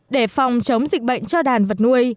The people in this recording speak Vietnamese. để phòng chống dịch bệnh cho đàn vật nuôi